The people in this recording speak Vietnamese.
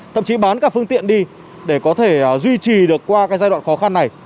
thậm chí bán cả phương tiện đi để có thể duy trì được qua giai đoạn khó khăn này